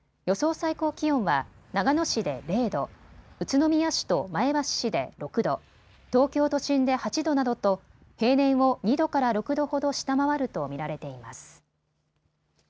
最高気温は長野市で０度、宇都宮市と前橋市で６度、東京都心で８度などと平年を２度から６度ほど下回ると見られています。